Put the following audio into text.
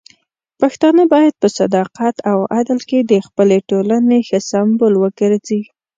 پښتانه بايد په صداقت او عدل کې د خپلې ټولنې ښه سمبول وګرځي.